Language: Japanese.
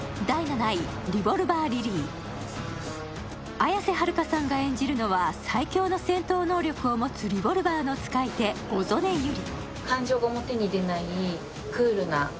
綾瀬はるかさんが演じるのは最強の戦闘能力を持つリボルバーの使い手・小曾根百合。